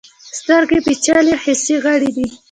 سترګې پیچلي حسي غړي دي.